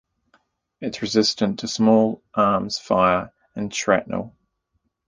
It's resistant to small arms fire and shrapnel.